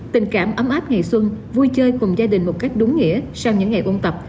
tình cảm ấm áp ngày xuân vui chơi cùng gia đình một cách đúng nghĩa sau những ngày ôn tập